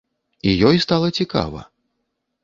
І ёй стала цікава.